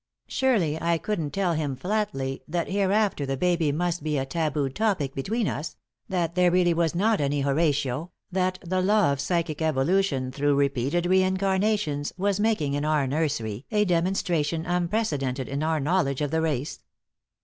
Surely, I couldn't tell him flatly that hereafter the baby must be a tabooed topic between us, that there really was not any Horatio, that the law of psychic evolution through repeated reincarnations was making in our nursery a demonstration unprecedented in our knowledge of the race.